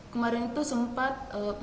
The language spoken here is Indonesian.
kemarin itu sempat mabespori